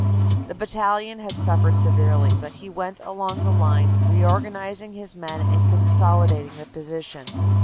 The battalion had suffered severely, but he went along the line, reorganizing his men and consolidating the position.